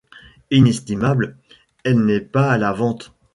Inestimable, elle n'est pas à la vente.